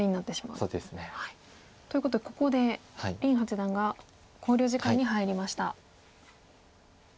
そうですね。ということでここで林八段が考慮時間に入りました。